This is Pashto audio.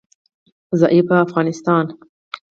ضعیفه افغانستان